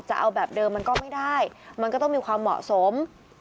จะเอาแบบเดิมมันก็ไม่ได้มันก็ต้องมีความเหมาะสม